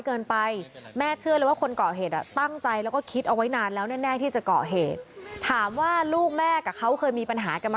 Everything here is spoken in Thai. ของพ่อแม่ซึ่งมันเป็นปัญหาที่จบไปหลายปีแล้ว